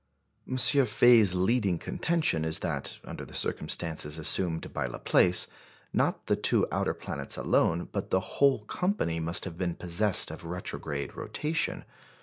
M. Faye's leading contention is that, under the circumstances assumed by Laplace, not the two outer planets alone, but the whole company must have been possessed of retrograde rotation.